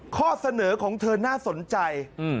ข้อเสนอของเธอน่าสนใจ